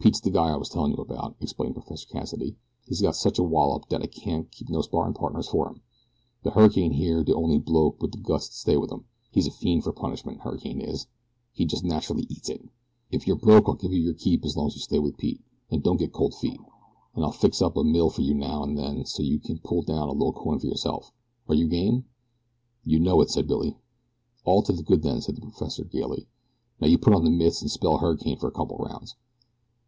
"Pete's de guy I was tellin' you about," explained Professor Cassidy. "He's got such a wallop dat I can't keep no sparrin' partners for him. The Hurricane here's de only bloke wit de guts to stay wit him he's a fiend for punishment, Hurricane is; he jest natchrly eats it. "If you're broke I'll give you your keep as long as you stay wit Pete an' don't get cold feet, an' I'll fix up a mill for you now an' then so's you kin pull down a little coin fer yourself. Are you game?" "You know it," said Billy. "All to the good then," said the professor gaily; "now you put on the mitts an' spell Hurricane for a couple o' rounds."